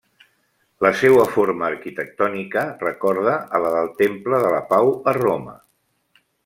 La seua forma arquitectònica recorda a la del Temple de la Pau a Roma.